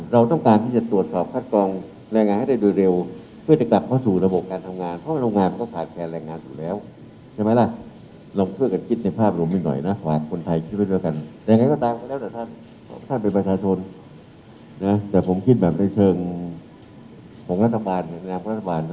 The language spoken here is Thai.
เราต้องการที่จะตรวจสอบคัดกรองแรงงานให้ได้โดยเร็ว